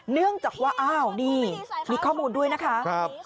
เนื่องจากว่าอ้าวนี่มีข้อมูลด้วยนะคะ